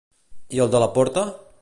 I el de la porta?